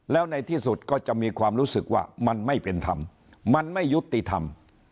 แล้วในที่สุดก็จะมีความรู้สึกว่ามันไม่เป็นธรรมมันไม่ยุติธรรม